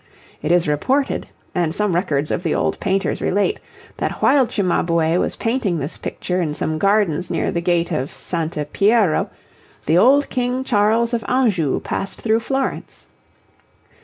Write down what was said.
It is reported, and some records of the old painters relate, that while Cimabue was painting this picture in some gardens near the gate of S. Piero, the old King Charles of Anjou passed through Florence.